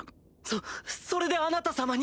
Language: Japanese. そそれであなた様に。